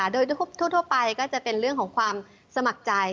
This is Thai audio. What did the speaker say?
โดยทั่วไปก็จะเป็นเรื่องของความสมัครใจ